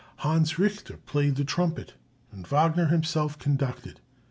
Hans Richter played the trumpet, and Wagner himself conducted.